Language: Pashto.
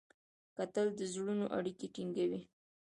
کتل د زړونو اړیکې ټینګوي